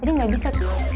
jadi enggak bisa